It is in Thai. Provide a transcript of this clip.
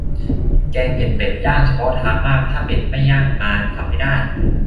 แกงเผ็ดเป็ดย่าง เฉพาะทางมาก ถ้าเป็ดไม่ย่างมา ทำไม่ได้